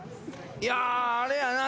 いやあれやな。